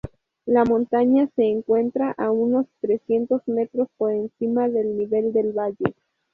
La montaña se encuentra a unos trescientos metros por encima del nivel del valle.